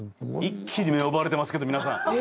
一気に目を奪われてますけど皆さん。